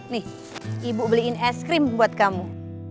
nih ibu beliin es krim buat kamu